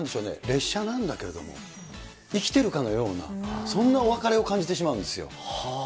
列車なんだけれども、生きてるかのような、そんなお別れを感じてしまうんですよ。